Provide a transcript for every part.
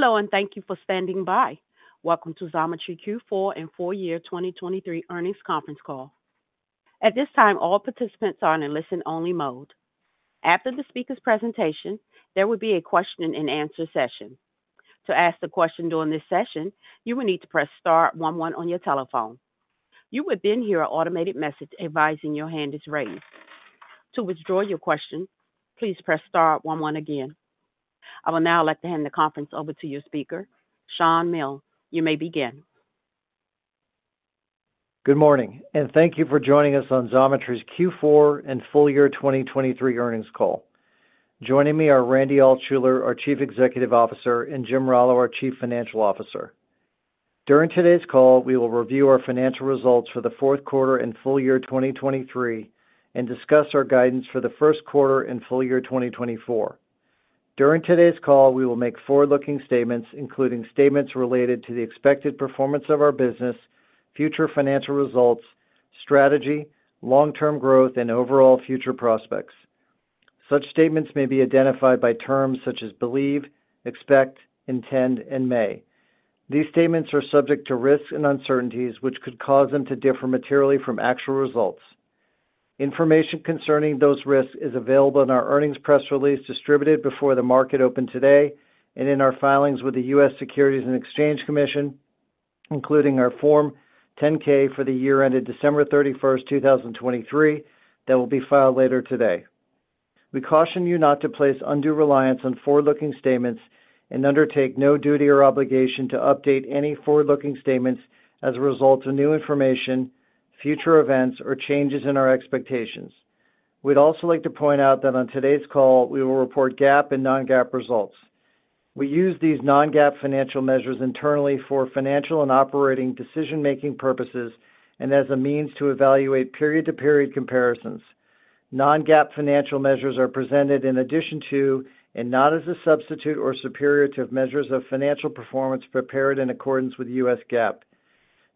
Hello, and thank you for standing by. Welcome to Xometry Q4 and full year 2023 earnings conference call. At this time, all participants are in a listen-only mode. After the speaker's presentation, there will be a question and answer session. To ask the question during this session, you will need to press star one one on your telephone. You would then hear an automated message advising your hand is raised. To withdraw your question, please press star one one again. I will now like to hand the conference over to your speaker, Shawn Milne. You may begin. Good morning, and thank you for joining us on Xometry's Q4 and full year 2023 earnings call. Joining me are Randy Altschuler, our Chief Executive Officer, and Jim Rallo, our Chief Financial Officer. During today's call, we will review our financial results for the fourth quarter and full year 2023, and discuss our guidance for the first quarter and full year 2024. During today's call, we will make forward-looking statements, including statements related to the expected performance of our business, future financial results, strategy, long-term growth, and overall future prospects. Such statements may be identified by terms such as believe, expect, intend, and may. These statements are subject to risks and uncertainties, which could cause them to differ materially from actual results. Information concerning those risks is available in our earnings press release, distributed before the market opened today, and in our filings with the U.S. Securities and Exchange Commission, including our Form 10-K for the year ended December 31, 2023, that will be filed later today. We caution you not to place undue reliance on forward-looking statements and undertake no duty or obligation to update any forward-looking statements as a result of new information, future events, or changes in our expectations. We'd also like to point out that on today's call, we will report GAAP and non-GAAP results. We use these non-GAAP financial measures internally for financial and operating decision-making purposes and as a means to evaluate period-to-period comparisons. Non-GAAP financial measures are presented in addition to, and not as a substitute or superior to, measures of financial performance prepared in accordance with U.S. GAAP.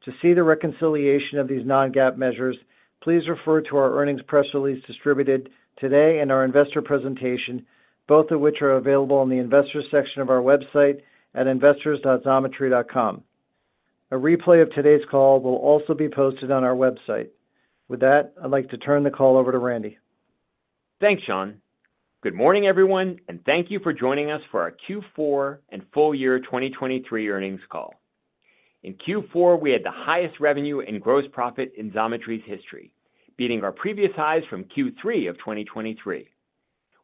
To see the reconciliation of these non-GAAP measures, please refer to our earnings press release distributed today and our investor presentation, both of which are available on the Investors section of our website at investors.xometry.com. A replay of today's call will also be posted on our website. With that, I'd like to turn the call over to Randy. Thanks, Shawn. Good morning, everyone, and thank you for joining us for our Q4 and full year 2023 earnings call. In Q4, we had the highest revenue and gross profit in Xometry's history, beating our previous highs from Q3 of 2023.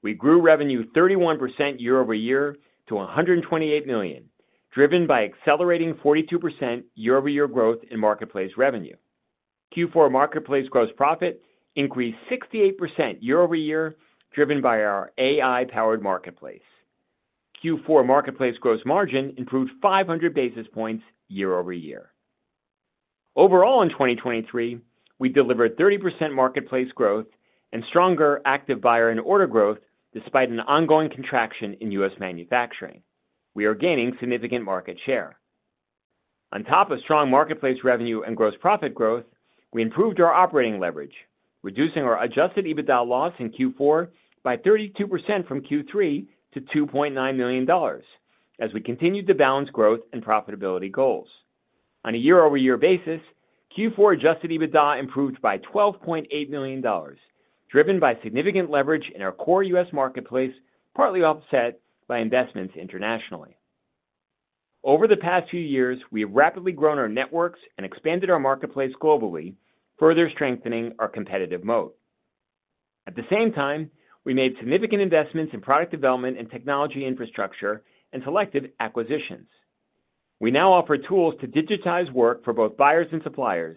We grew revenue 31% year-over-year to $128 million, driven by accelerating 42% year-over-year growth in marketplace revenue. Q4 marketplace gross profit increased 68% year-over-year, driven by our AI-powered marketplace. Q4 marketplace gross margin improved 500 basis points year-over-year. Overall, in 2023, we delivered 30% marketplace growth and stronger active buyer and order growth, despite an ongoing contraction in U.S. manufacturing. We are gaining significant market share. On top of strong marketplace revenue and gross profit growth, we improved our operating leverage, reducing our Adjusted EBITDA loss in Q4 by 32% from Q3 to $2.9 million as we continued to balance growth and profitability goals. On a year-over-year basis, Q4 Adjusted EBITDA improved by $12.8 million, driven by significant leverage in our core U.S. marketplace, partly offset by investments internationally. Over the past few years, we have rapidly grown our networks and expanded our marketplace globally, further strengthening our competitive moat. At the same time, we made significant investments in product development and technology infrastructure and selective acquisitions. We now offer tools to digitize work for both buyers and suppliers,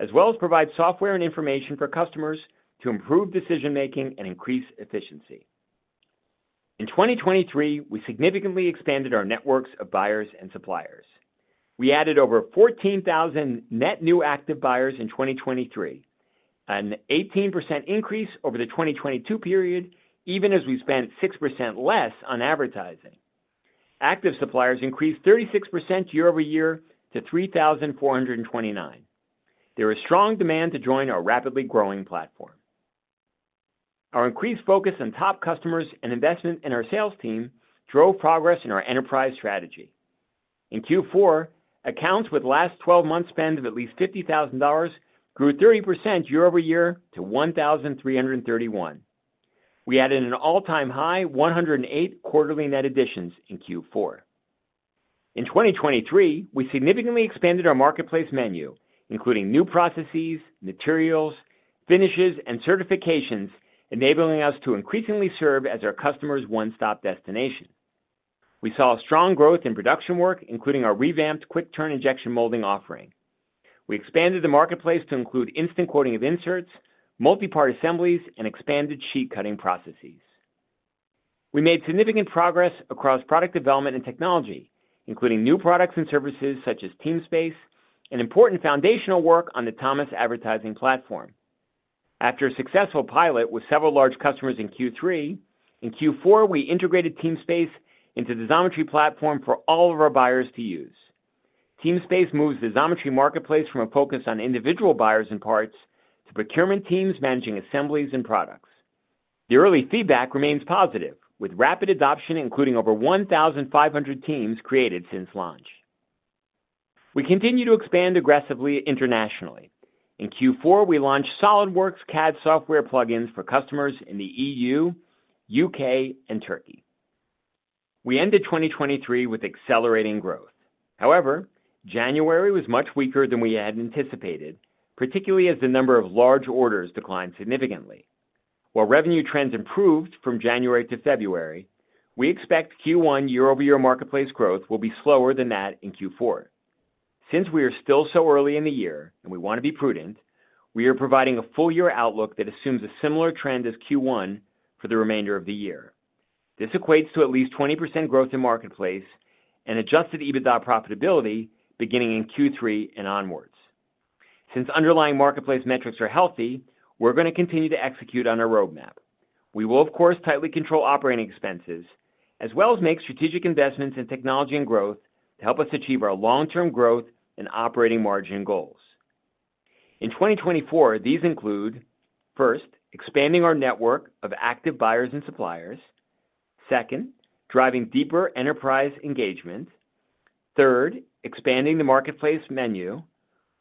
as well as provide software and information for customers to improve decision-making and increase efficiency. In 2023, we significantly expanded our networks of buyers and suppliers. We added over 14,000 net new active buyers in 2023, an 18% increase over the 2022 period, even as we spent 6% less on advertising. Active suppliers increased 36% year-over-year to 3,429. There is strong demand to join our rapidly growing platform. Our increased focus on top customers and investment in our sales team drove progress in our enterprise strategy. In Q4, accounts with last twelve-month spend of at least $50,000 grew 30% year-over-year to 1,331. We added an all-time high, 108 quarterly net additions in Q4. In 2023, we significantly expanded our marketplace menu, including new processes, materials, finishes, and certifications, enabling us to increasingly serve as our customer's one-stop destination. We saw a strong growth in production work, including our revamped quick-turn injection molding offering. We expanded the marketplace to include instant quoting of inserts, multi-part assemblies, and expanded sheet cutting processes. We made significant progress across product development and technology, including new products and services such as Teamspace, and important foundational work on the Thomas advertising platform. After a successful pilot with several large customers in Q3, in Q4, we integrated Teamspace into the Xometry platform for all of our buyers to use. Teamspace moves the Xometry Marketplace from a focus on individual buyers and parts to procurement teams managing assemblies and products. The early feedback remains positive, with rapid adoption, including over 1,500 teams created since launch. We continue to expand aggressively internationally. In Q4, we launched SolidWorks CAD software plugins for customers in the EU, U.K., and Turkey. We ended 2023 with accelerating growth. However, January was much weaker than we had anticipated, particularly as the number of large orders declined significantly. While revenue trends improved from January to February, we expect Q1 year-over-year marketplace growth will be slower than that in Q4. Since we are still so early in the year and we wanna be prudent, we are providing a full year outlook that assumes a similar trend as Q1 for the remainder of the year. This equates to at least 20% growth in marketplace and Adjusted EBITDA profitability beginning in Q3 and onwards. Since underlying marketplace metrics are healthy, we're gonna continue to execute on our roadmap. We will, of course, tightly control operating expenses, as well as make strategic investments in technology and growth to help us achieve our long-term growth and operating margin goals. In 2024, these include, first, expanding our network of active buyers and suppliers. Second, driving deeper enterprise engagement. Third, expanding the marketplace menu.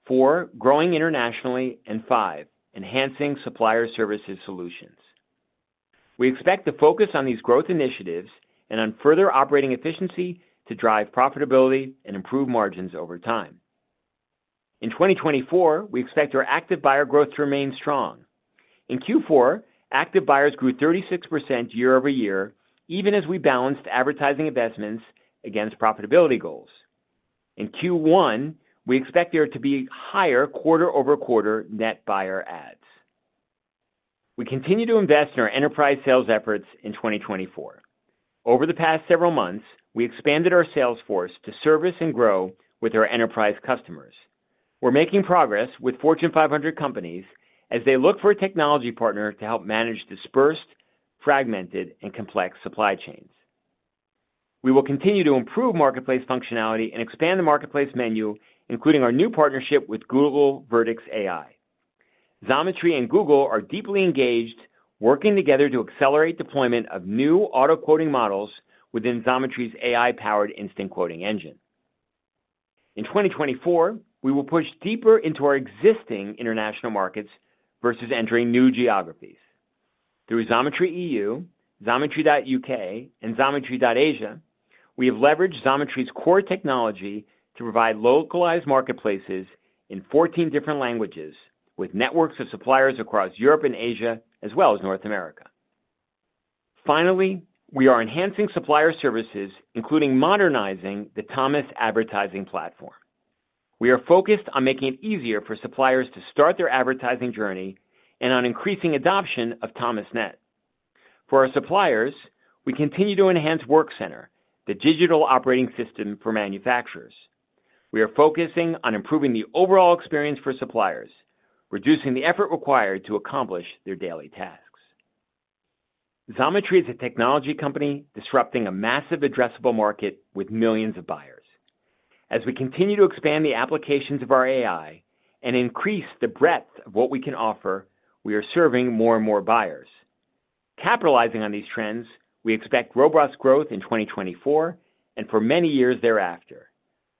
Four, growing internationally, and five, enhancing supplier services solutions. We expect to focus on these growth initiatives and on further operating efficiency to drive profitability and improve margins over time. In 2024, we expect our active buyer growth to remain strong. In Q4, active buyers grew 36% year-over-year, even as we balanced advertising investments against profitability goals. In Q1, we expect there to be higher quarter-over-quarter net buyer ads. We continue to invest in our enterprise sales efforts in 2024. Over the past several months, we expanded our sales force to service and grow with our enterprise customers. We're making progress with Fortune 500 companies as they look for a technology partner to help manage dispersed, fragmented, and complex supply chains. We will continue to improve marketplace functionality and expand the marketplace menu, including our new partnership with Google Vertex AI. Xometry and Google are deeply engaged, working together to accelerate deployment of new auto quoting models within Xometry's AI-powered instant quoting engine. In 2024, we will push deeper into our existing international markets versus entering new geographies. Through Xometry EU, Xometry.UK, and Xometry.Asia, we have leveraged Xometry's core technology to provide localized marketplaces in 14 different languages, with networks of suppliers across Europe and Asia, as well as North America. Finally, we are enhancing supplier services, including modernizing the Thomasnet advertising platform. We are focused on making it easier for suppliers to start their advertising journey and on increasing adoption of Thomasnet. For our suppliers, we continue to enhance Workcenter, the digital operating system for manufacturers. We are focusing on improving the overall experience for suppliers, reducing the effort required to accomplish their daily tasks. Xometry is a technology company disrupting a massive addressable market with millions of buyers. As we continue to expand the applications of our AI and increase the breadth of what we can offer, we are serving more and more buyers. Capitalizing on these trends, we expect robust growth in 2024 and for many years thereafter.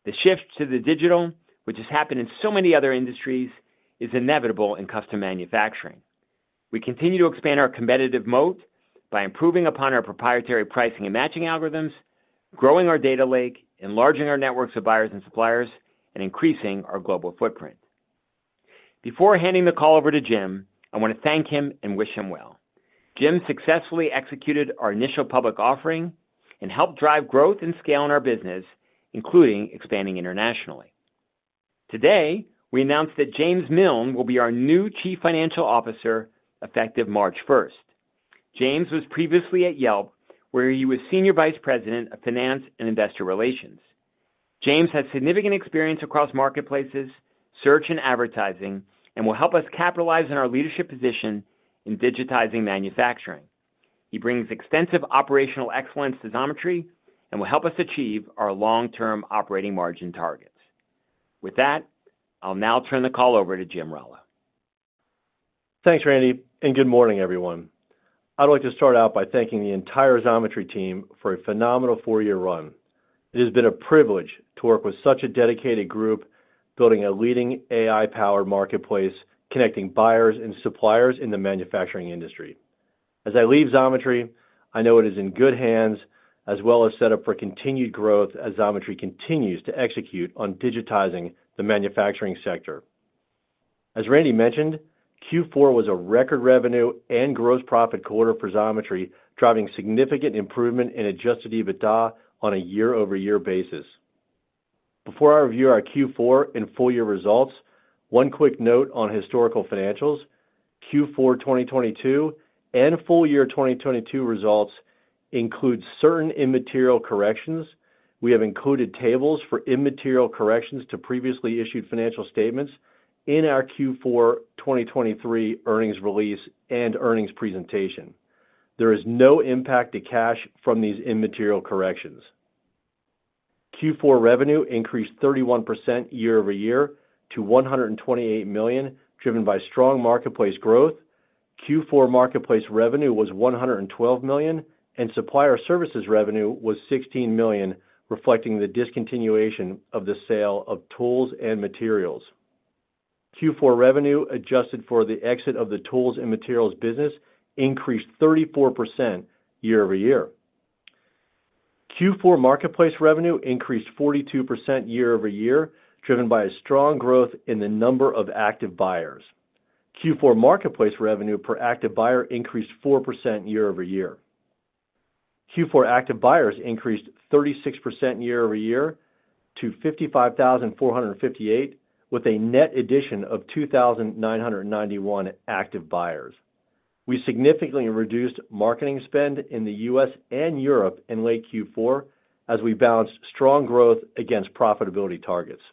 The shift to the digital, which has happened in so many other industries, is inevitable in custom manufacturing. We continue to expand our competitive moat by improving upon our proprietary pricing and matching algorithms, growing our data lake, enlarging our networks of buyers and suppliers, and increasing our global footprint. Before handing the call over to Jim, I wanna thank him and wish him well. Jim successfully executed our initial public offering and helped drive growth and scale in our business, including expanding internationally. Today, we announced that James Miln will be our new Chief Financial Officer, effective March 1. James was previously at Yelp, where he was Senior Vice President of Finance and Investor Relations. James has significant experience across marketplaces, search, and advertising, and will help us capitalize on our leadership position in digitizing manufacturing. He brings extensive operational excellence to Xometry and will help us achieve our long-term operating margin targets. With that, I'll now turn the call over to Jim Rallo. Thanks, Randy, and good morning, everyone. I'd like to start out by thanking the entire Xometry team for a phenomenal four-year run. It has been a privilege to work with such a dedicated group, building a leading AI-powered marketplace, connecting buyers and suppliers in the manufacturing industry. As I leave Xometry, I know it is in good hands, as well as set up for continued growth as Xometry continues to execute on digitizing the manufacturing sector. As Randy mentioned, Q4 was a record revenue and gross profit quarter for Xometry, driving significant improvement in Adjusted EBITDA on a year-over-year basis. Before I review our Q4 and full year results, one quick note on historical financials. Q4 2022 and full year 2022 results include certain immaterial corrections. We have included tables for immaterial corrections to previously issued financial statements in our Q4 2023 earnings release and earnings presentation.... There is no impact to cash from these immaterial corrections. Q4 revenue increased 31% year-over-year to $128 million, driven by strong marketplace growth. Q4 marketplace revenue was $112 million, and supplier services revenue was $16 million, reflecting the discontinuation of the sale of tools and materials. Q4 revenue, adjusted for the exit of the tools and materials business, increased 34% year-over-year. Q4 marketplace revenue increased 42% year-over-year, driven by a strong growth in the number of active buyers. Q4 marketplace revenue per active buyer increased 4% year-over-year. Q4 active buyers increased 36% year-over-year to 55,458, with a net addition of 2,991 active buyers. We significantly reduced marketing spend in the U.S. and Europe in late Q4 as we balanced strong growth against profitability targets.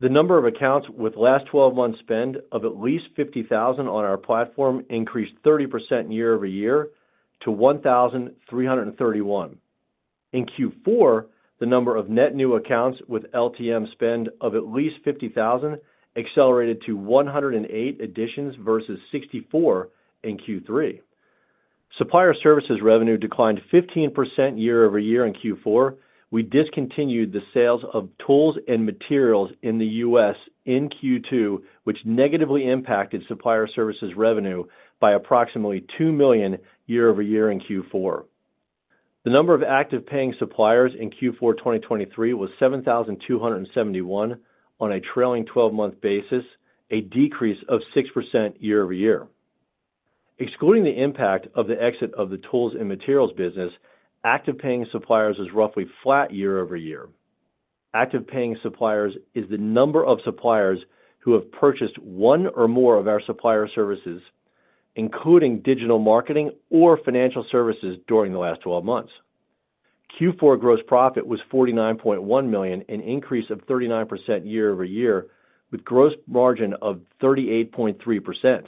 The number of accounts with last twelve months spend of at least 50,000 on our platform increased 30% year-over-year to 1,331. In Q4, the number of net new accounts with LTM spend of at least 50,000 accelerated to 108 additions versus 64 in Q3. Supplier services revenue declined 15% year-over-year in Q4. We discontinued the sales of tools and materials in the U.S. in Q2, which negatively impacted supplier services revenue by approximately $2 million year-over-year in Q4. The number of active paying suppliers in Q4 2023 was 7,271 on a trailing twelve-month basis, a decrease of 6% year-over-year. Excluding the impact of the exit of the tools and materials business, Active Paying Suppliers is roughly flat year-over-year. Active Paying Suppliers is the number of suppliers who have purchased one or more of our supplier services, including digital marketing or financial services, during the last twelve months. Q4 gross profit was $49.1 million, an increase of 39% year-over-year, with gross margin of 38.3%.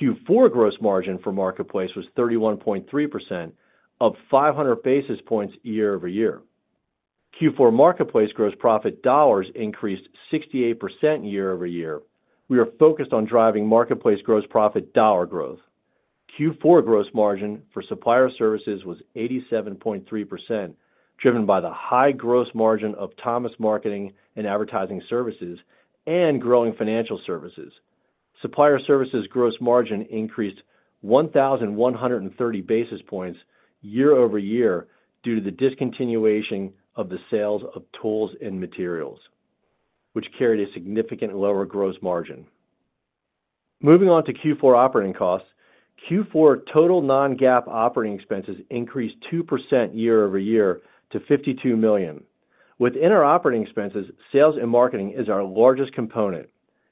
Q4 gross margin for Marketplace was 31.3%, up 500 basis points year-over-year. Q4 Marketplace gross profit dollars increased 68% year-over-year. We are focused on driving Marketplace gross profit dollar growth. Q4 gross margin for Supplier Services was 87.3%, driven by the high gross margin of Thomas marketing and advertising services and growing financial services. Supplier services gross margin increased 1,130 basis points year-over-year due to the discontinuation of the sales of tools and materials, which carried a significant lower gross margin. Moving on to Q4 operating costs. Q4 total non-GAAP operating expenses increased 2% year-over-year to $52 million. Within our operating expenses, sales and marketing is our largest component.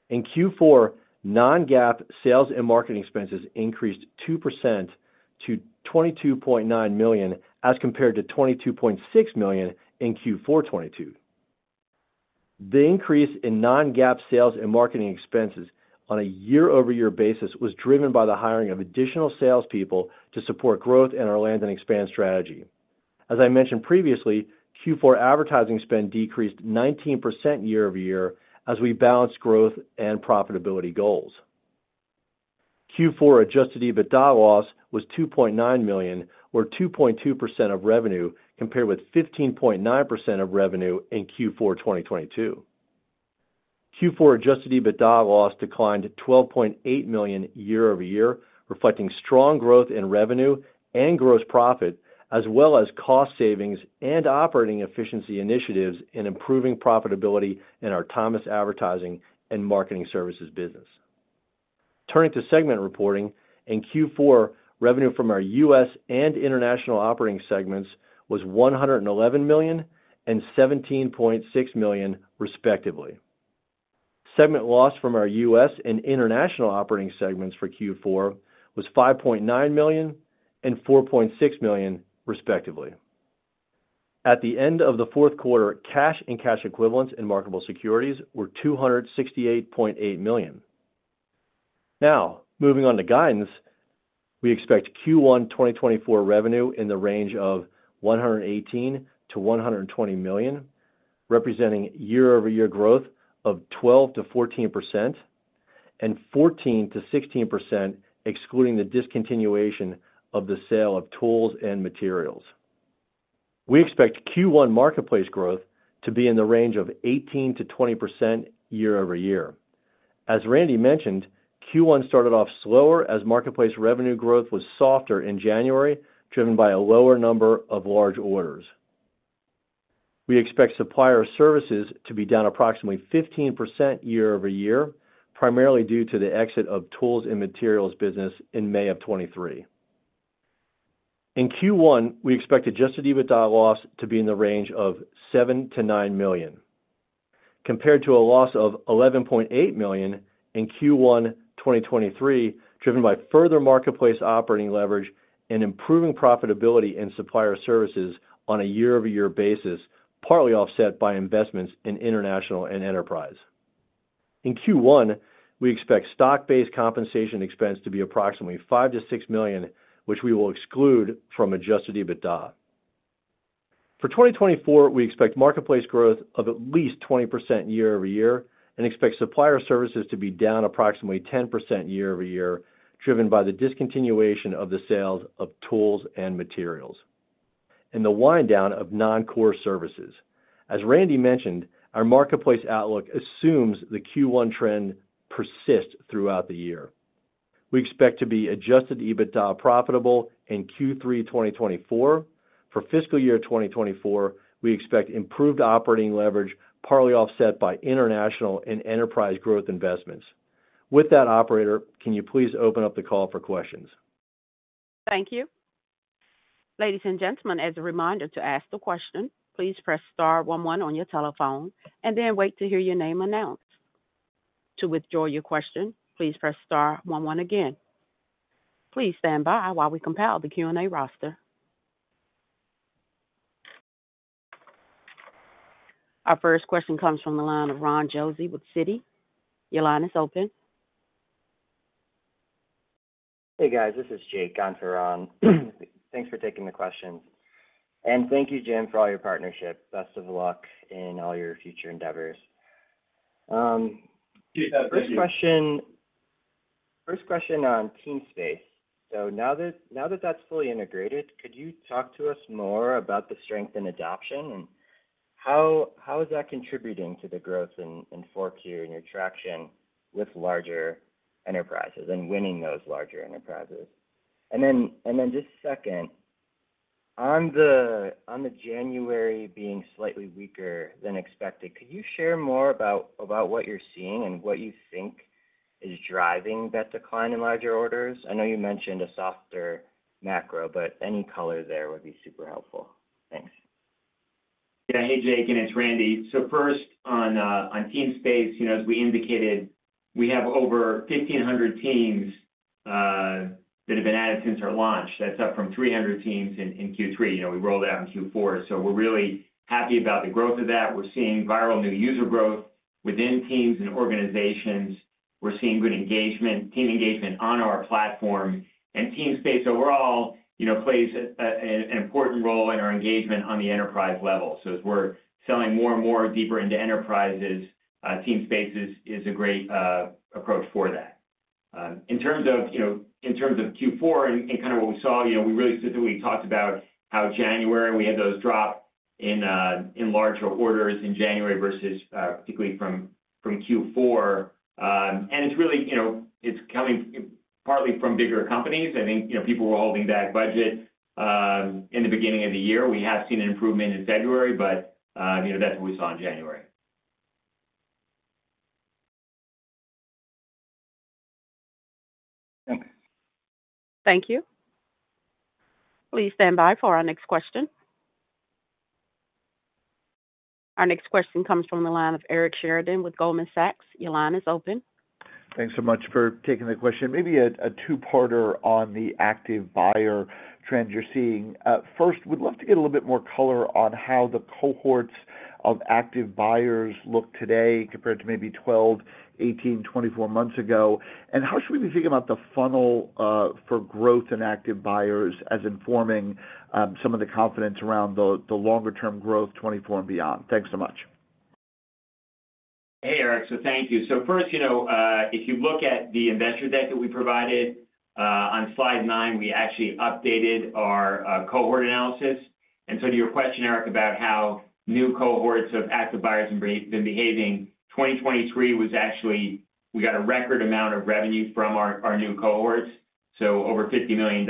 In Q4, non-GAAP sales and marketing expenses increased 2% to $22.9 million, as compared to $22.6 million in Q4 2022. The increase in non-GAAP sales and marketing expenses on a year-over-year basis was driven by the hiring of additional salespeople to support growth in our land and expand strategy. As I mentioned previously, Q4 advertising spend decreased 19% year-over-year as we balanced growth and profitability goals. Q4 Adjusted EBITDA loss was $2.9 million, or 2.2% of revenue, compared with 15.9% of revenue in Q4 2022. Q4 Adjusted EBITDA loss declined to $12.8 million year-over-year, reflecting strong growth in revenue and gross profit, as well as cost savings and operating efficiency initiatives in improving profitability in our Thomas advertising and marketing services business. Turning to segment reporting, in Q4, revenue from our U.S. and international operating segments was $111 million and $17.6 million, respectively. Segment loss from our U.S. and international operating segments for Q4 was $5.9 million and $4.6 million, respectively. At the end of the fourth quarter, cash and cash equivalents in marketable securities were $268.8 million. Now, moving on to guidance, we expect Q1 2024 revenue in the range of $118 million-$120 million, representing year-over-year growth of 12%-14% and 14%-16%, excluding the discontinuation of the sale of tools and materials. We expect Q1 marketplace growth to be in the range of 18%-20% year over year. As Randy mentioned, Q1 started off slower as marketplace revenue growth was softer in January, driven by a lower number of large orders. We expect supplier services to be down approximately 15% year over year, primarily due to the exit of tools and materials business in May of 2023. In Q1, we expect Adjusted EBITDA loss to be in the range of $7 million-$9 million, compared to a loss of $11.8 million in Q1 2023, driven by further marketplace operating leverage and improving profitability in supplier services on a year-over-year basis, partly offset by investments in international and enterprise. ...In Q1, we expect stock-based compensation expense to be approximately $5 million-$6 million, which we will exclude from adjusted EBITDA. For 2024, we expect marketplace growth of at least 20% year-over-year, and expect supplier services to be down approximately 10% year-over-year, driven by the discontinuation of the sales of tools and materials, and the wind down of non-core services. As Randy mentioned, our marketplace outlook assumes the Q1 trend persists throughout the year. We expect to be adjusted EBITDA profitable in Q3 2024. For fiscal year 2024, we expect improved operating leverage, partly offset by international and enterprise growth investments. With that, operator, can you please open up the call for questions? Thank you. Ladies and gentlemen, as a reminder, to ask the question, please press star one one on your telephone and then wait to hear your name announced. To withdraw your question, please press star one one again. Please stand by while we compile the Q&A roster. Our first question comes from the line of Ron Josey with Citi. Your line is open. Hey, guys, this is Jake on for Ron. Thanks for taking the questions. And thank you, Jim, for all your partnership. Best of luck in all your future endeavors. First question on Teamspace. So now that that's fully integrated, could you talk to us more about the strength and adoption, and how is that contributing to the growth in 4Q and your traction with larger enterprises and winning those larger enterprises? And then just second, on the January being slightly weaker than expected, could you share more about what you're seeing and what you think is driving that decline in larger orders? I know you mentioned a softer macro, but any color there would be super helpful. Thanks. Yeah. Hey, Jake, and it's Randy. So first on, on Teamspace, you know, as we indicated, we have over 1,500 teams that have been added since our launch. That's up from 300 teams in Q3. You know, we rolled out in Q4, so we're really happy about the growth of that. We're seeing viral new user growth within teams and organizations. We're seeing good engagement, team engagement on our platform, and Teamspace overall, you know, plays an important role in our engagement on the enterprise level. So as we're selling more and more deeper into enterprises, Teamspace is a great approach for that. In terms of, you know, in terms of Q4 and kind of what we saw, you know, we really specifically talked about how January we had those drop in larger orders in January versus particularly from Q4. And it's really, you know, it's coming partly from bigger companies. I think, you know, people were holding back budget in the beginning of the year. We have seen an improvement in February, but, you know, that's what we saw in January. Thanks. Thank you. Please stand by for our next question. Our next question comes from the line of Eric Sheridan with Goldman Sachs. Your line is open. Thanks so much for taking the question. Maybe a two-parter on the active buyer trends you're seeing. First, would love to get a little bit more color on how the cohorts of active buyers look today compared to maybe 12, 18, 24 months ago. And how should we be thinking about the funnel for growth and active buyers as informing some of the confidence around the longer-term growth 2024 and beyond? Thanks so much. Hey, Eric. So thank you. So first, you know, if you look at the investor deck that we provided on slide nine, we actually updated our cohort analysis. And so to your question, Eric, about how new cohorts of active buyers have been behaving, 2023 was actually, we got a record amount of revenue from our new cohorts, so over $50 million.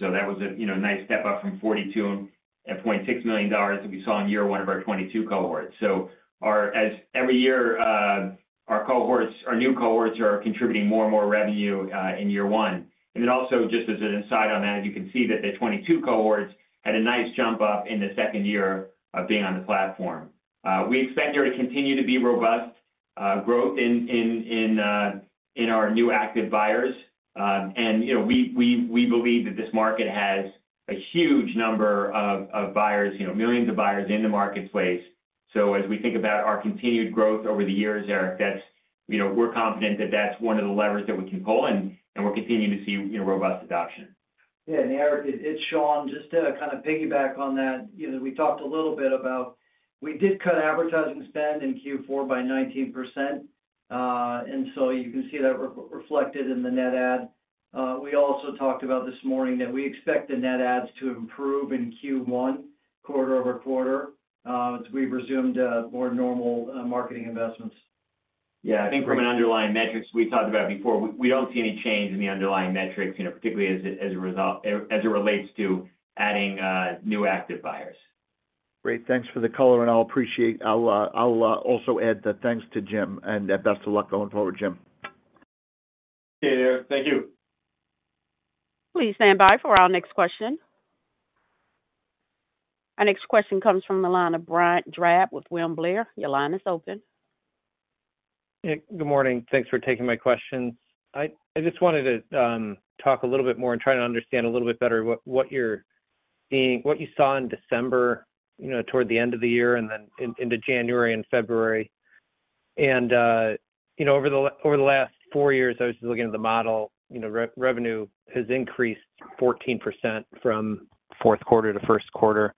So that was a, you know, nice step up from $42.6 million that we saw in year one of our 2022 cohorts. So our, as every year, our cohorts, our new cohorts are contributing more and more revenue in year one. And then also, just as an insight on that, you can see that the 2022 cohorts had a nice jump up in the second year of being on the platform. We expect there to continue to be robust growth in our new Active Buyers. And, you know, we believe that this market has a huge number of buyers, you know, millions of buyers in the marketplace. So as we think about our continued growth over the years, Eric, that's, you know, we're confident that that's one of the levers that we can pull, and we're continuing to see, you know, robust adoption. Yeah, and Eric, it's Shawn. Just to kind of piggyback on that, you know, we talked a little bit about we did cut advertising spend in Q4 by 19%, and so you can see that reflected in the net add. We also talked about this morning that we expect the net adds to improve in Q1 quarter-over-quarter, as we've resumed more normal marketing investments. Yeah, I think from an underlying metrics we talked about before, we don't see any change in the underlying metrics, you know, particularly as a result as it relates to adding new Active Buyers. Great. Thanks for the color, and I'll also add the thanks to Jim, and best of luck going forward, Jim. Thank you. Please stand by for our next question. Our next question comes from the line of Brian Drab with William Blair. Your line is open. Hey, good morning. Thanks for taking my questions. I just wanted to talk a little bit more and try to understand a little bit better what you're seeing, what you saw in December, you know, toward the end of the year and then into January and February. And, you know, over the last four years, I was just looking at the model, you know, revenue has increased 14% from fourth quarter to first quarter,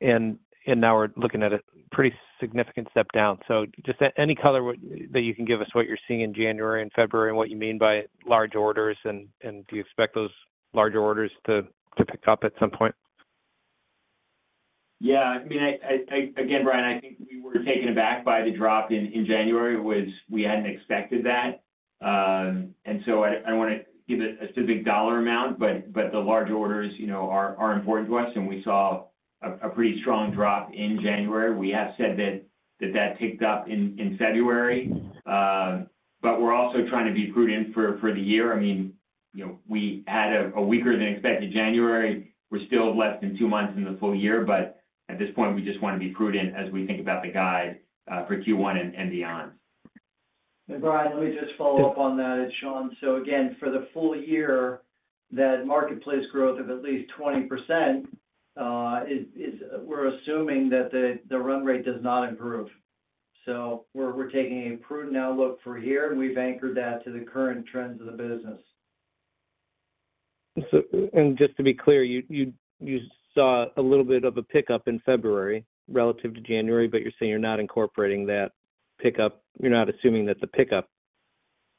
and now we're looking at a pretty significant step down. So just any color that you can give us, what you're seeing in January and February, and what you mean by large orders, and do you expect those larger orders to pick up at some point? Yeah, I mean, again, Brian, I think we were taken aback by the drop in January, which we hadn't expected that. And so I don't want to give a specific dollar amount, but the large orders, you know, are important to us, and we saw a pretty strong drop in January. We have said that ticked up in February, but we're also trying to be prudent for the year. I mean, you know, we had a weaker than expected January. We're still less than two months in the full year, but at this point, we just want to be prudent as we think about the guide for Q1 and beyond. And Brian, let me just follow up on that. It's Shawn. So again, for the full year, that marketplace growth of at least 20%, is we're assuming that the run rate does not improve. So we're taking a prudent outlook for here, and we've anchored that to the current trends of the business. So, just to be clear, you saw a little bit of a pickup in February relative to January, but you're saying you're not incorporating that pickup. You're not assuming that the pickup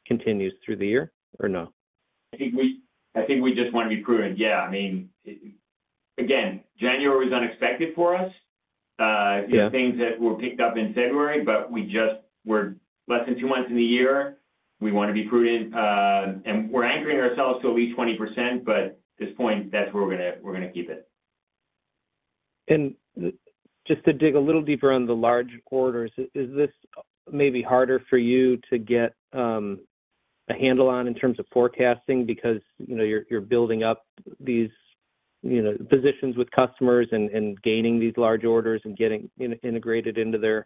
continues through the year, or no? I think we just want to be prudent. Yeah, I mean, again, January was unexpected for us. Yeah. There are things that were picked up in February, but we just, we're less than two months in the year. We want to be prudent, and we're anchoring ourselves to at least 20%, but at this point, that's where we're gonna keep it. Just to dig a little deeper on the large orders, is this maybe harder for you to get a handle on in terms of forecasting? Because, you know, you're building up these, you know, positions with customers and gaining these large orders and getting integrated into their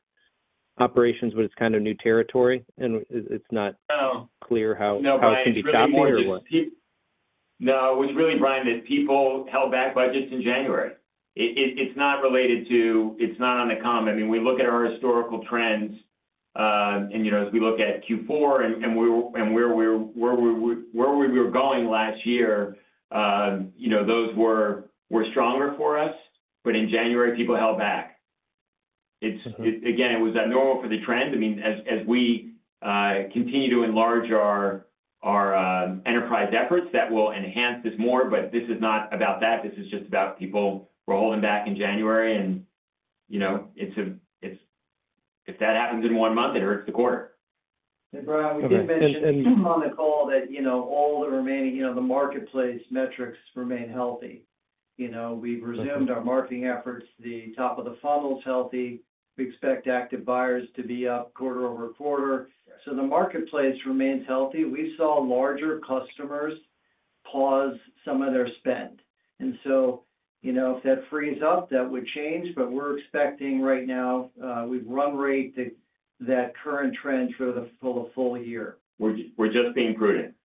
operations, but it's kind of new territory, and it, it's not- No Clear how it can be shot one or what? No, it was really, Brian, that people held back budgets in January. It's not related to—it's not on the com. I mean, we look at our historical trends, and, you know, as we look at Q4 and where we were going last year, you know, those were stronger for us. But in January, people held back. It's- Okay. Again, it was abnormal for the trend. I mean, as we continue to enlarge our enterprise efforts, that will enhance this more, but this is not about that. This is just about people were holding back in January and, you know, it's if that happens in one month, it hurts the quarter. And Brian, we did mention on the call that, you know, all the remaining, you know, the marketplace metrics remain healthy. You know, we've resumed our marketing efforts. The top of the funnel is healthy. We expect active buyers to be up quarter-over-quarter. So the marketplace remains healthy. We saw larger customers pause some of their spend, and so, you know, if that frees up, that would change, but we're expecting right now, we'd run rate that, that current trend through the full, full year. We're just being prudent.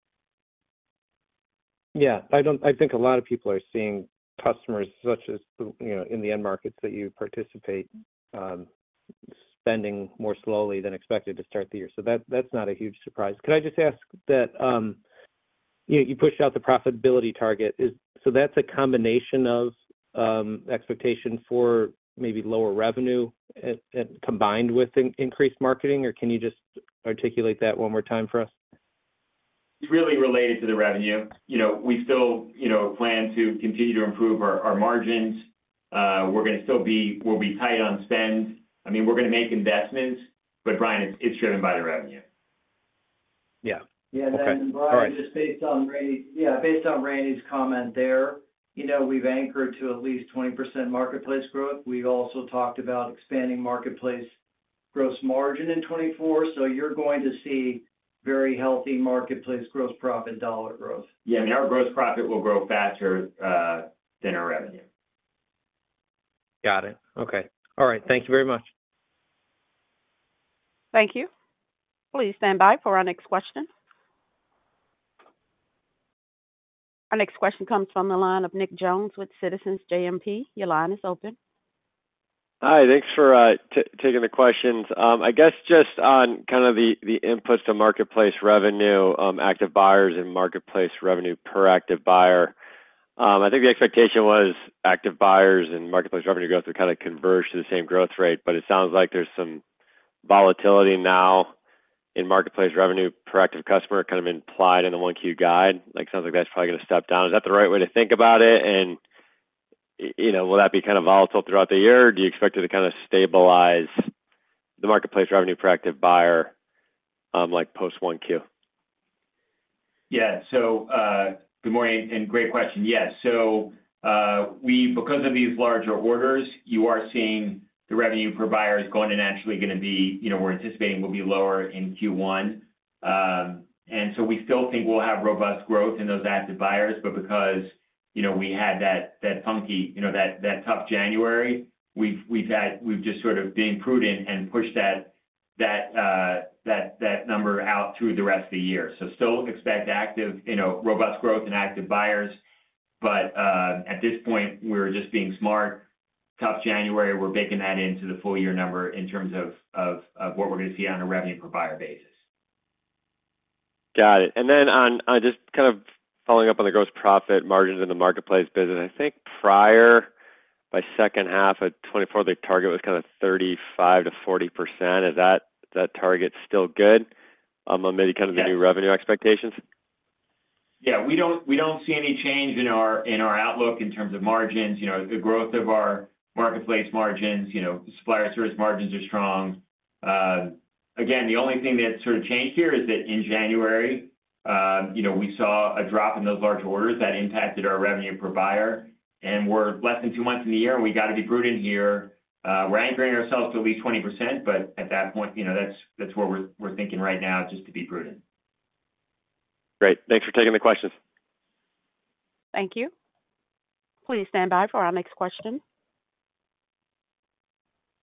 Yeah, I don't think a lot of people are seeing customers, such as, you know, in the end markets that you participate, spending more slowly than expected to start the year. So that's not a huge surprise. Could I just ask that you pushed out the profitability target? So that's a combination of expectation for maybe lower revenue combined with increased marketing? Or can you just articulate that one more time for us? It's really related to the revenue. You know, we still, you know, plan to continue to improve our margins. We're gonna still be, we'll be tight on spend. I mean, we're gonna make investments, but Brian, it's driven by the revenue. Yeah. Yeah. Okay. All right. Brian, just based on Randy, yeah, based on Randy's comment there, you know, we've anchored to at least 20% marketplace growth. We've also talked about expanding marketplace gross margin in 2024, so you're going to see very healthy marketplace gross profit dollar growth. Yeah, and our gross profit will grow faster than our revenue. Got it. Okay. All right. Thank you very much. Thank you. Please stand by for our next question. Our next question comes from the line of Nick Jones with Citizens JMP. Your line is open. Hi, thanks for taking the questions. I guess just on kind of the inputs to marketplace revenue, active buyers and marketplace revenue per active buyer. I think the expectation was active buyers and marketplace revenue growth are kind of converged to the same growth rate, but it sounds like there's some volatility now in marketplace revenue per active customer, kind of implied in the 1Q guide. Like, sounds like that's probably gonna step down. Is that the right way to think about it? And you know, will that be kind of volatile throughout the year, or do you expect it to kind of stabilize the marketplace revenue per active buyer, like post 1Q? Yeah. So, good morning, and great question. Yes. So, we, because of these larger orders, you are seeing the revenue per buyer is going to naturally gonna be, you know, we're anticipating will be lower in Q1. And so we still think we'll have robust growth in those active buyers, but because, you know, we had that, that funky, you know, that, that tough January, we've had we've just sort of being prudent and pushed that that number out through the rest of the year. So still expect active, you know, robust growth in active buyers. But at this point, we're just being smart. Tough January, we're baking that into the full year number in terms of what we're gonna see on a revenue per buyer basis. Got it. And then on, on just kind of following up on the gross profit margins in the marketplace business. I think prior, by second half of 2024, the target was kind of 35%-40%. Is that, that target still good among maybe kind of the new revenue expectations? Yeah, we don't, we don't see any change in our, in our outlook in terms of margins. You know, the growth of our marketplace margins, you know, supplier service margins are strong. Again, the only thing that sort of changed here is that in January, you know, we saw a drop in those large orders that impacted our revenue per buyer, and we're less than two months in the year, and we got to be prudent here. We're anchoring ourselves to at least 20%, but at that point, you know, that's, that's where we're, we're thinking right now, just to be prudent. Great. Thanks for taking the questions. Thank you. Please stand by for our next question.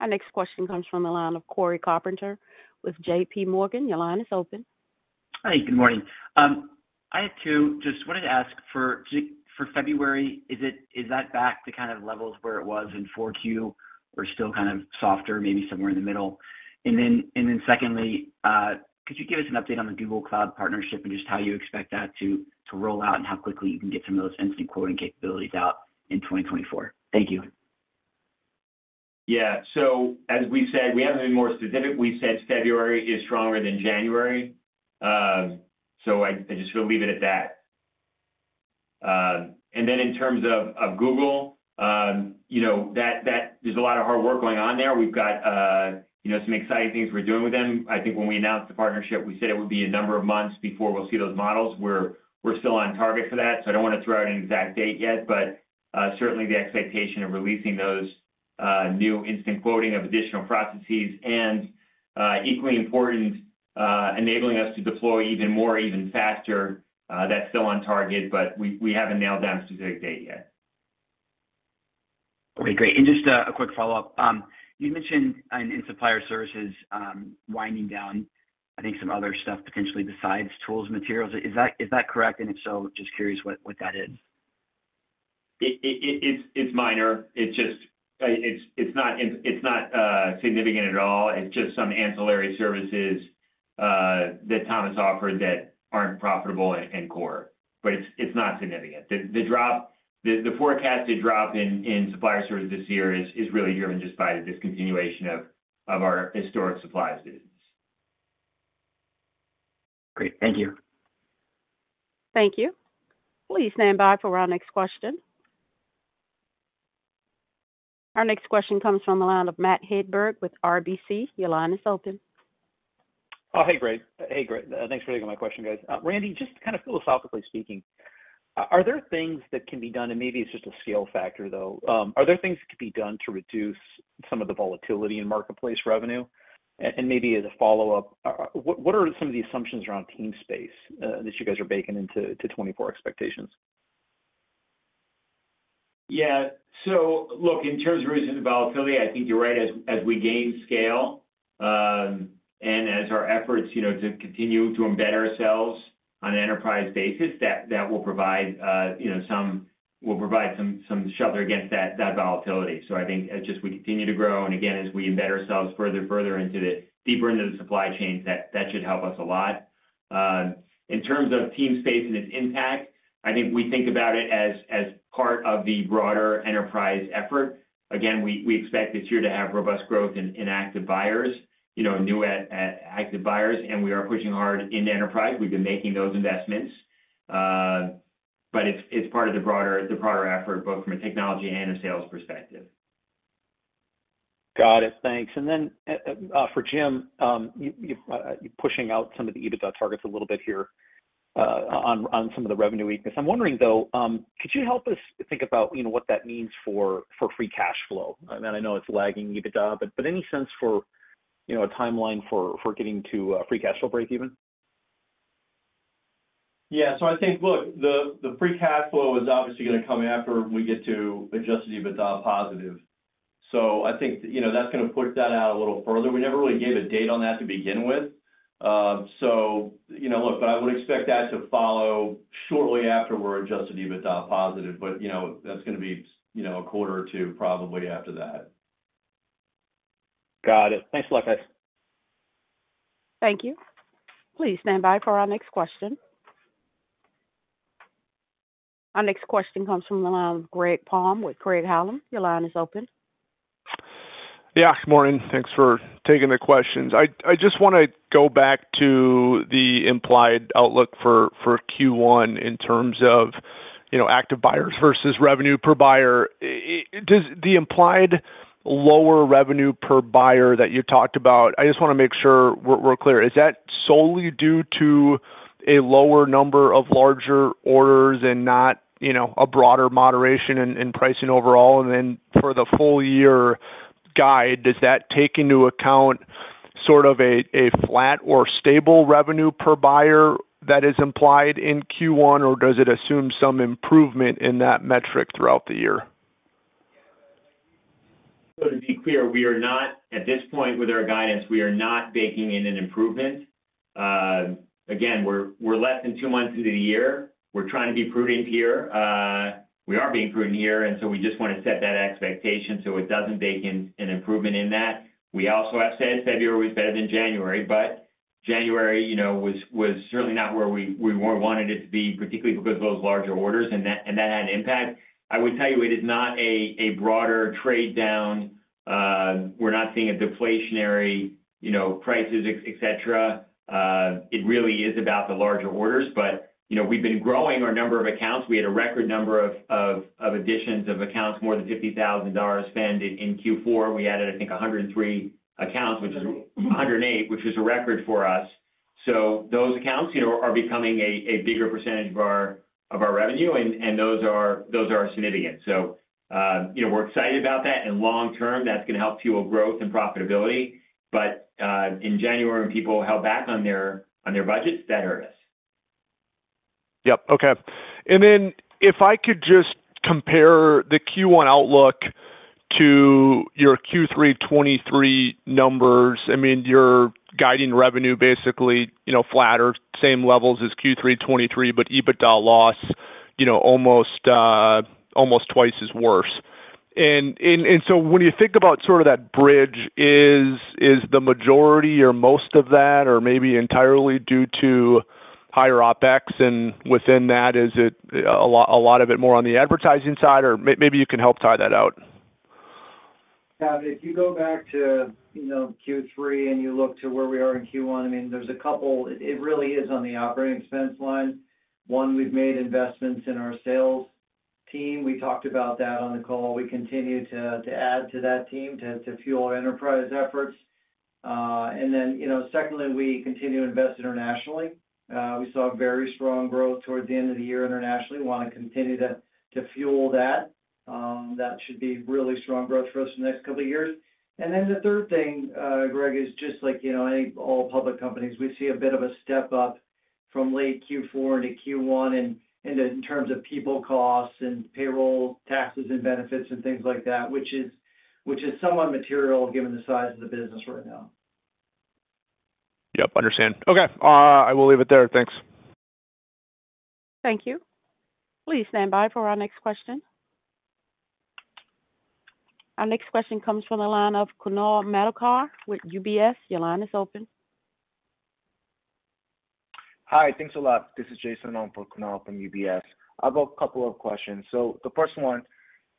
Our next question comes from the line of Cory Carpenter with JP Morgan. Your line is open. Hi, good morning. I had two. Just wanted to ask for Q1 for February, is that back to kind of levels where it was in Q4, or still kind of softer, maybe somewhere in the middle? And then secondly, could you give us an update on the Google Cloud partnership and just how you expect that to roll out and how quickly you can get some of those instant quoting capabilities out in 2024? Thank you. Yeah. So as we said, we haven't been more specific. We said February is stronger than January. So I just will leave it at that. And then in terms of Google, you know, that there's a lot of hard work going on there. We've got, you know, some exciting things we're doing with them. I think when we announced the partnership, we said it would be a number of months before we'll see those models. We're still on target for that, so I don't want to throw out an exact date yet, but certainly the expectation of releasing those new instant quoting of additional processes and, equally important, enabling us to deploy even more, even faster, that's still on target, but we haven't nailed down a specific date yet. Okay, great. And just a quick follow-up. You mentioned in supplier services winding down, I think, some other stuff potentially besides tools and materials. Is that correct? And if so, just curious what that is. It's minor. It's just not significant at all. It's just some ancillary services that Thomas offered that aren't profitable and core, but it's not significant. The forecasted drop in supplier services this year is really driven just by the discontinuation of our historic supply students. Great. Thank you. Thank you. Please stand by for our next question. Our next question comes from the line of Matt Hedberg with RBC. Your line is open. Oh, hey, great. Hey, great, thanks for taking my question, guys. Randy, just kind of philosophically speaking, are there things that can be done, and maybe it's just a scale factor, though, are there things that could be done to reduce some of the volatility in marketplace revenue? And, maybe as a follow-up, what are some of the assumptions around Teamspace that you guys are baking into 2024 expectations? Yeah. So look, in terms of recent volatility, I think you're right, as, as we gain scale, and as our efforts, you know, to continue to embed ourselves on an enterprise basis, that, that will provide, you know, some will provide some, some shelter against that, that volatility. So I think as just we continue to grow, and again, as we embed ourselves further and further into the deeper into the supply chain, that, that should help us a lot. In terms of Teamspace and its impact, I think we think about it as, as part of the broader enterprise effort. Again, we, we expect this year to have robust growth in, in active buyers, you know, new active buyers, and we are pushing hard into enterprise. We've been making those investments. But it's part of the broader effort, both from a technology and a sales perspective. Got it, thanks. Then, for Jim, you're pushing out some of the EBITDA targets a little bit here, on some of the revenue weakness. I'm wondering, though, could you help us think about, you know, what that means for free cash flow? And I know it's lagging EBITDA, but any sense for, you know, a timeline for getting to free cash flow breakeven? Yeah. So I think, look, the free cash flow is obviously gonna come after we get to Adjusted EBITDA positive. So I think, you know, that's gonna push that out a little further. We never really gave a date on that to begin with. So, you know, look, but I would expect that to follow shortly after we're Adjusted EBITDA positive, but, you know, that's gonna be, you know, a quarter or two, probably after that. Got it. Thanks a lot, guys. Thank you. Please stand by for our next question. Our next question comes from the line of Greg Palm with Craig-Hallum. Your line is open. Yeah, good morning. Thanks for taking the questions. I just wanna go back to the implied outlook for Q1 in terms of, you know, active buyers versus revenue per buyer. Does the implied lower revenue per buyer that you talked about, I just wanna make sure we're clear. Is that solely due to a lower number of larger orders and not, you know, a broader moderation in pricing overall? And then for the full year guide, does that take into account sort of a flat or stable revenue per buyer that is implied in Q1, or does it assume some improvement in that metric throughout the year?... So to be clear, we are not, at this point with our guidance, we are not baking in an improvement. Again, we're less than two months into the year. We're trying to be prudent here. We are being prudent here, and so we just want to set that expectation so it doesn't bake in an improvement in that. We also have said February is better than January, but January, you know, was certainly not where we wanted it to be, particularly because of those larger orders, and that had an impact. I would tell you, it is not a broader trade down. We're not seeing a deflationary, you know, prices, et cetera. It really is about the larger orders. But, you know, we've been growing our number of accounts. We had a record number of additions of accounts, more than $50,000 spent in Q4. We added, I think, 103 accounts, which is- 108. 108, which is a record for us. So those accounts, you know, are becoming a bigger percentage of our revenue, and those are significant. So, you know, we're excited about that, and long term, that's gonna help fuel growth and profitability. But in January, when people held back on their budgets, that hurt us. Yep. Okay. And then, if I could just compare the Q1 outlook to your Q3 2023 numbers, I mean, you're guiding revenue basically, you know, flat or same levels as Q3 2023, but EBITDA loss, you know, almost almost twice as worse. And so when you think about sort of that bridge, is the majority or most of that, or maybe entirely due to higher OpEx, and within that, is it a lot, a lot of it more on the advertising side, or maybe you can help tie that out? Yeah, if you go back to, you know, Q3 and you look to where we are in Q1, I mean, there's a couple, it really is on the operating expense line. One, we've made investments in our sales team. We talked about that on the call. We continue to add to that team, to fuel enterprise efforts. And then, you know, secondly, we continue to invest internationally. We saw very strong growth towards the end of the year internationally, want to continue to fuel that. That should be really strong growth for us in the next couple of years. And then the third thing, Greg, is just like, you know, I think all public companies, we see a bit of a step up from late Q4 into Q1, and, and in terms of people costs and payroll taxes and benefits and things like that, which is, which is somewhat material given the size of the business right now. Yep, understand. Okay, I will leave it there. Thanks. Thank you. Please stand by for our next question. Our next question comes from the line of Kunal Madhukar with UBS. Your line is open. Hi, thanks a lot. This is Jason Ong for Kunal from UBS. I've got a couple of questions. The first one,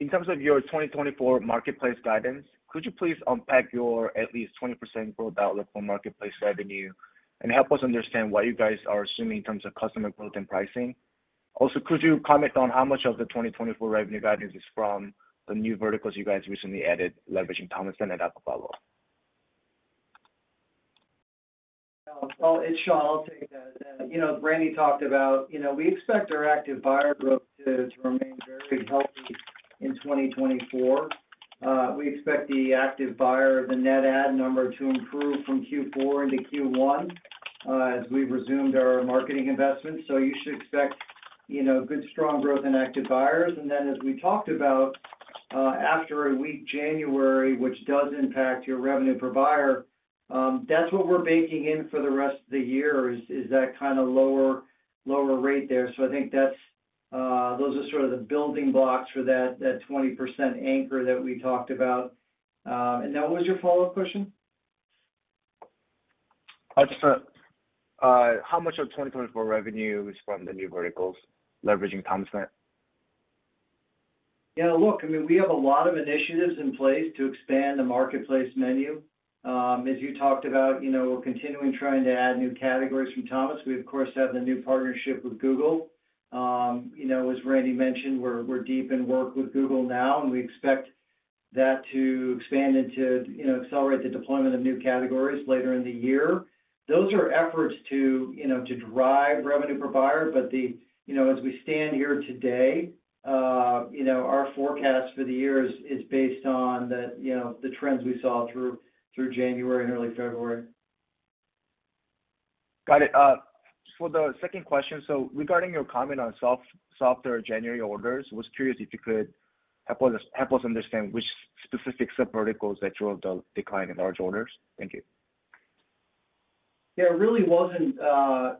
in terms of your 2024 marketplace guidance, could you please unpack your at least 20% growth outlook for marketplace revenue and help us understand what you guys are assuming in terms of customer growth and pricing? Also, could you comment on how much of the 2024 revenue guidance is from the new verticals you guys recently added, leveraging Thomasnet and Apple follow? Well, it's Shawn. I'll take that. You know, Randy talked about, you know, we expect our active buyer growth to, to remain very healthy in 2024. We expect the active buyer, the net add number, to improve from Q4 into Q1, as we've resumed our marketing investments. So you should expect, you know, good, strong growth in active buyers. And then, as we talked about, after a weak January, which does impact your revenue per buyer, that's what we're baking in for the rest of the year, is, is that kind of lower, lower rate there. So I think that's, those are sort of the building blocks for that, that 20% anchor that we talked about. And now what was your follow-up question? Just, how much of 2024 revenue is from the new verticals, leveraging Thomasnet? Yeah, look, I mean, we have a lot of initiatives in place to expand the marketplace menu. As you talked about, you know, we're continuing trying to add new categories from Thomas. We, of course, have the new partnership with Google. You know, as Randy mentioned, we're deep in work with Google now, and we expect that to expand into, you know, accelerate the deployment of new categories later in the year. Those are efforts to, you know, to drive revenue per buyer, but the... You know, as we stand here today, you know, our forecast for the year is based on the, you know, the trends we saw through January and early February. Got it. For the second question, so regarding your comment on softer January orders, I was curious if you could help us understand which specific subverticals that drove the decline in large orders. Thank you. Yeah, it really wasn't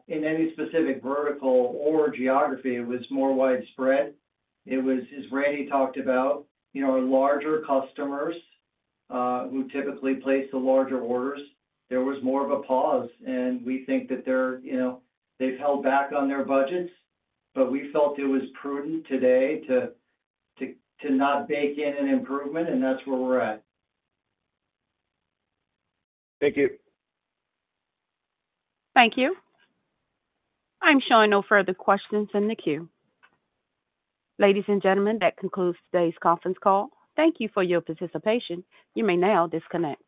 in any specific vertical or geography. It was more widespread. It was, as Randy talked about, you know, larger customers who typically place the larger orders. There was more of a pause, and we think that they're, you know, they've held back on their budgets, but we felt it was prudent today to not bake in an improvement, and that's where we're at. Thank you. Thank you. I'm showing no further questions in the queue. Ladies and gentlemen, that concludes today's conference call. Thank you for your participation. You may now disconnect.